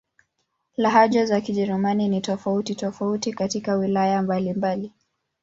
Lahaja za Kijerumani ni tofauti-tofauti katika wilaya mbalimbali.